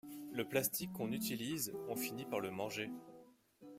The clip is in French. Le plastique qu'on utilise, on finit par le manger.